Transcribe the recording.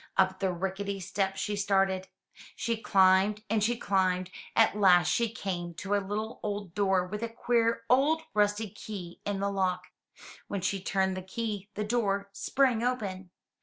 Up the rickety steps she started. She climbed and she climbed and at last she came to a little old door with a queer old rusty key in the lock. When she turned the key, the door sprang open.